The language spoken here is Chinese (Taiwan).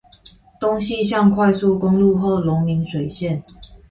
東西向快速公路後龍汶水線